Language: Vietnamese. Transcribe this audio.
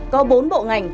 có bốn bộ ngành